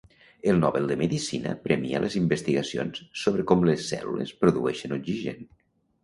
El Nobel de medicina premia les investigacions sobre com les cèl·lules produeixen oxigen.